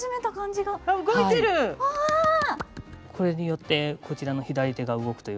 これによってこちらの左手が動くという形になります。